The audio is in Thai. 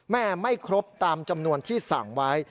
ไม่ครบตามจำนวนที่สั่งไว้